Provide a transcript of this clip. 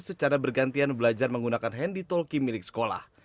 secara bergantian belajar menggunakan handy talki milik sekolah